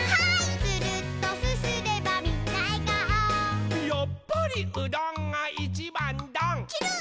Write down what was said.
「つるっとすすればみんなえがお」「やっぱりうどんがいちばんどん」ちゅるっ。